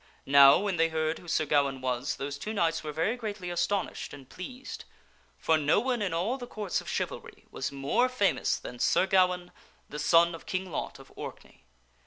Now, when they heard who Sir Ga waine was, those two knights were very greatly astonished and pleased ; for no one in all the courts of chivalry was more famous than Sir Gawaine, the son of King Lot of Orkney.